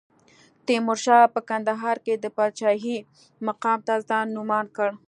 تیمورشاه په کندهار کې د پاچاهۍ مقام ته ځان نوماند کړ.